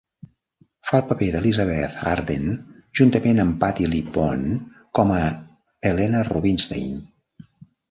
Fa el paper d'Elizabeth Arden, juntament amb Patti LuPone com a Helena Rubinstein.